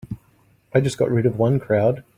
I just got rid of one crowd.